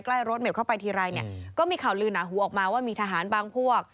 รถเหม็ดเข้าไปทีไรเนี่ยก็มีข่าวลือหนาหูออกมาว่ามีทหารบางพวก